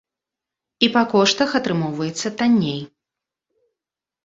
І па коштах атрымоўваецца танней.